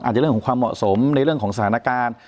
อาจจะเรื่องของความเหมาะสมในเรื่องของสถานการณ์